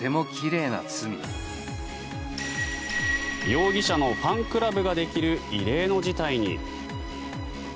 容疑者のファンクラブができる異例の事態に。